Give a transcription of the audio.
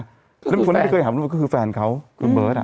คนที่ไม่เคยเห็นเขาออกมาก็คือแฟนเขาคุณเบิร์ดอะ